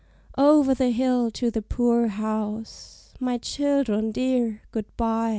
Over the hill to the poor house my child'rn dear, good by!